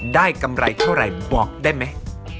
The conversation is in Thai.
ได้กำไรเท่าไรบอกได้ไหม